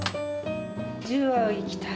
１０はいきたい。